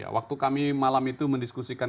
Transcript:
waktu kami malam itu mendiskusikan